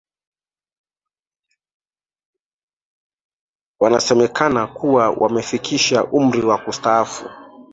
Wanasemekana kuwa wamefikisha umri wa kustaafu